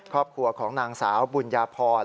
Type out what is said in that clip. ครอบครัวของนางสาวบุญญาพร